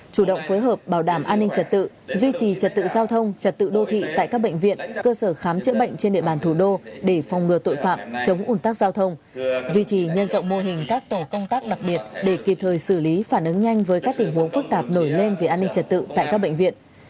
chủ động phối hợp bảo đảm an ninh trật tự duy trì trật tự giao thông trật tự đô thị tại các bệnh viện cơ sở khám chữa bệnh trên địa bàn thủ đô để phòng ngừa tội phạm chống ủn tắc giao thông duy trì nhân rộng mô hình các tổ công tác đặc biệt để kịp thời xử lý phản ứng nhanh với các tình huống phức tạp nổi lên về an ninh trật tự tại các bệnh viện